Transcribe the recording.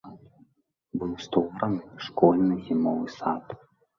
Быў створаны школьны зімовы сад.